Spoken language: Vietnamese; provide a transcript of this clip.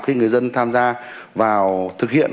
khi người dân tham gia vào thực hiện